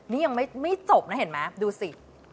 นี่ยังไม่จบนะเห็นไหมดูสิ